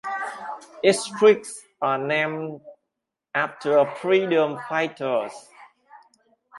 Its streets are named after freedom fighters.